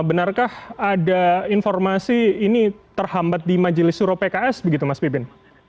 benarkah ada informasi ini terhambat di majelis suro pks begitu mas pipin